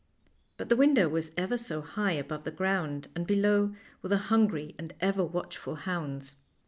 But the window was ever so high above the ground, and below were the hungry and ever watchful hounds.